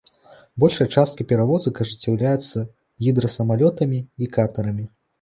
Большая частка перавозак ажыццяўляецца гідрасамалётамі і катэрамі.